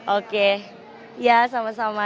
oke ya sama sama